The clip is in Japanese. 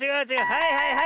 はいはいはい。